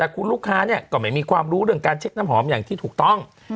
แต่คุณลูกค้าเนี่ยก็ไม่มีความรู้เรื่องการเช็คน้ำหอมอย่างที่ถูกต้อง